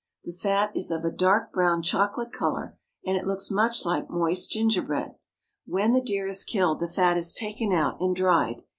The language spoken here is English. The fat is of a dark brown chocolate color ; and it looks much like moist gingerbread. When the deer is killed, the fat is taken out and dried.